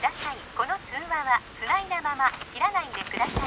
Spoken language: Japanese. この通話はつないだまま切らないでください